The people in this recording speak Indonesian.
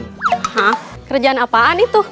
hah kerjaan apaan itu